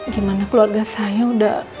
gimana keluarga saya udah